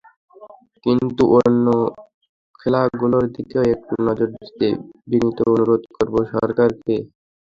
কিন্তু অন্য খেলাগুলোর দিকেও একটু নজর দিতে বিনীত অনুরোধ করব সরকারকে।